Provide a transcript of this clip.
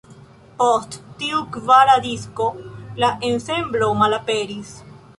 Post tiu kvara disko la ensemblo malaperis.